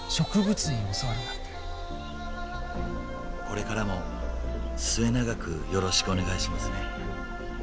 これからも末永くよろしくお願いしますね。